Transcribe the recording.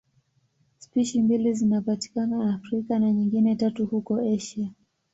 Spishi mbili zinapatikana Afrika na nyingine tatu huko Asia.